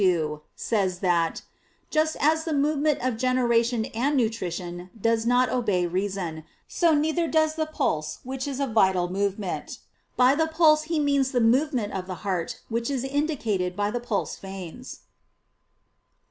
xxii) says that, just as the movement of generation and nutrition does not obey reason, so neither does the pulse which is a vital movement. By the pulse he means the movement of the heart which is indicated by the pulse veins.